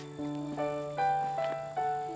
kecil kecil lebaran dulu